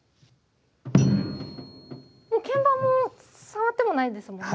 鍵盤も触ってもないですもんね。